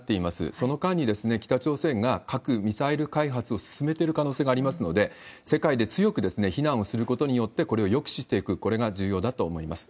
その間に、北朝鮮が核・ミサイル開発を進めている可能性がありますので、世界で強く非難をすることによって、これを抑止していく、これが重要だと思います。